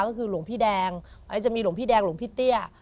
ก็คือหลวงพี่แดงจะมีหลวงพี่แดงหลวงพี่เตี้ย